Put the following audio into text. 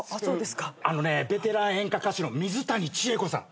あのねベテラン演歌歌手の水谷千重子さん。